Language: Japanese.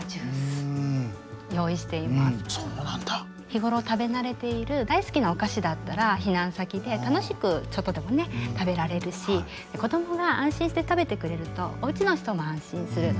日頃食べ慣れている大好きなお菓子だったら避難先で楽しくちょっとでもね食べられるし子供が安心して食べてくれるとおうちの人も安心する。